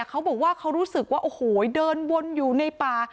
เขาบอกว่าเขารู้สึกว่าโอ้โหเดินวนอยู่ในป่า